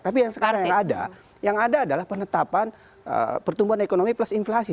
tapi yang sekarang yang ada yang ada adalah penetapan pertumbuhan ekonomi plus inflasi